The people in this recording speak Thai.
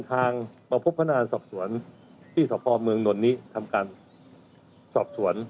ทางมาพพนาสสวนที่สพอมเมืองนนนิทำการสสวน